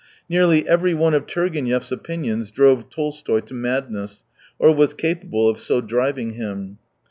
Nearly every one of Turgenev's opinions drove Tolstoy to madness, or was capable of so driving him.